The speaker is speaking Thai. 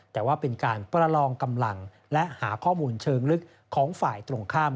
แต่ว่าเป็นการประลองกำลังและหาข้อมูลเชิงลึกของฝ่ายตรงข้าม